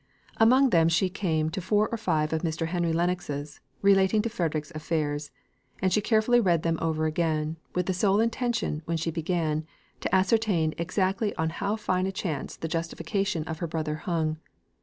Among them she came to four or five of Mr. Henry Lennox's, relating to Frederick's affairs; and she carefully read them over again, with the sole intention, when she began, to ascertain exactly on how fine a chance the justification of her brother hung.